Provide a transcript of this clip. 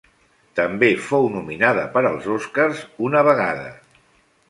També fou nominada per als Oscars una vegada.